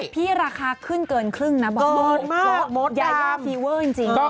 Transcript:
พี่ราคาขึ้นเกินครึ่งนะบอก